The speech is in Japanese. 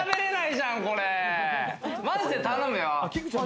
マジで頼むよ！